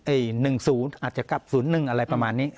เอ่ยหนึ่งศูนย์อาจจะกลับศูนย์หนึ่งอะไรประมาณนี้